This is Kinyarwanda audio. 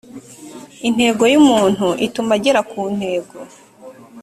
intego yumuntu ituma ajyera kuntego.